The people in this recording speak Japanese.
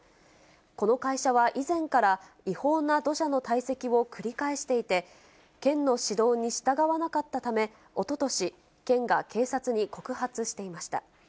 この会社は以前から違法な土砂の堆積を繰り返していて、県の指導に従わなかったため、おととし、県が警察に告発していました。